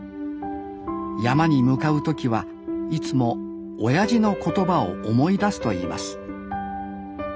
山に向かう時はいつもおやじの言葉を思い出すと言います